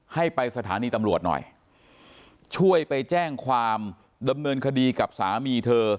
ให้ไปสถานีตำรวจหน่อยช่วยไปแจ้งความดำเนินคดีกับสามีเธอ